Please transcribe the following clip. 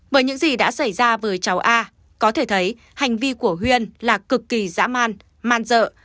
bởi những gì đã xảy ra với cháu a có thể thấy hành vi của huyên là cực kỳ dã man man dợ